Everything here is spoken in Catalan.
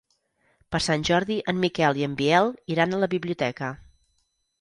Per Sant Jordi en Miquel i en Biel iran a la biblioteca.